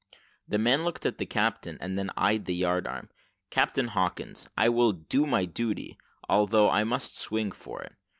The man looked at the captain, and then eyed the yard arm. "Captain Hawkins, I will do my duty, although I must swing for it."